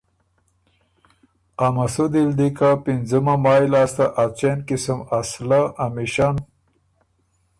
ا مسودی ل دی که پِنځُمه مای لاسته ا څېن قسم اسلحه، امیشن